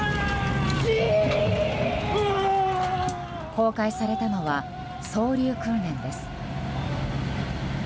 公開されたのは双竜訓練です。